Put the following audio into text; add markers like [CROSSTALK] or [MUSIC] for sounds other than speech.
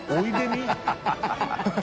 ハハハ [LAUGHS]